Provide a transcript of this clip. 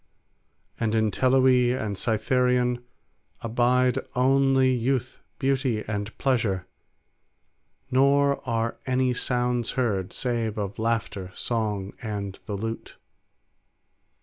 And in Teloe and Cytharion abide only youth, beauty, and pleasure, nor are any sounds heard, save of laughter, song, and the lute.